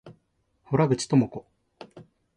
洞口朋子